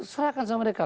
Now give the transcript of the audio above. serahkan sama mereka